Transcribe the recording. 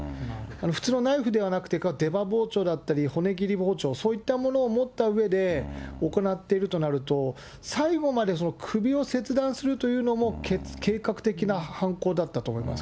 普通のナイフではなくて、出刃包丁だったり、骨切り包丁、そういったものを持ったうえで、行っているとなると、最後まで首を切断するというのも計画的な犯行だったと思います。